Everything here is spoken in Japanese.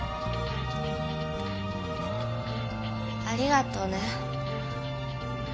ありがとうね。